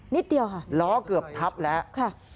นิดเดียวค่ะล้อเกือบทับแล้วค่ะ